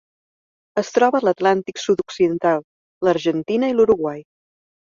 Es troba a l'Atlàntic sud-occidental: l'Argentina i l'Uruguai.